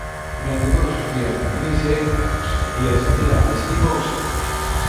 Durante todos os días da crise, a Consellería de Sanidade estivo ausente.